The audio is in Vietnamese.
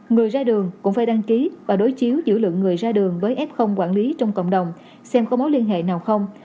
người ra đường cũng phải đăng ký và đối chiếu dữ liệu người ra đường với f quản lý trong cộng đồng xem có mối liên hệ nào không